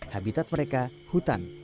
habitat mereka hutan